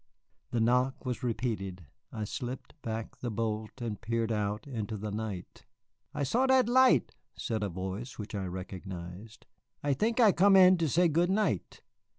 The knock was repeated. I slipped back the bolt and peered out into the night. "I saw dat light," said a voice which I recognized; "I think I come in to say good night."